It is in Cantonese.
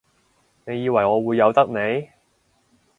你以為我會由得你？